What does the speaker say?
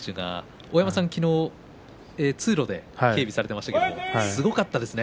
大山さんは昨日は通路で警備されていましたねすごかったですね。